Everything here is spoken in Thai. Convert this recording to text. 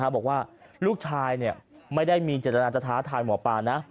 บอกว่าลูกชายไม่ได้มีจัดลานจรฐาธินมอปลานนะ